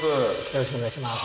よろしくお願いします。